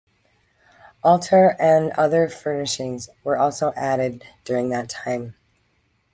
Altar and other furnishings were also added during that time.